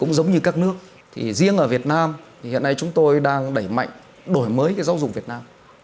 giống như các nước hiện nay chúng tôi đang đẩy mạnh đổi mới giáo dục việt nam